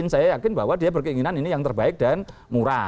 saya yakin bahwa dia berkeinginan ini yang terbaik dan murah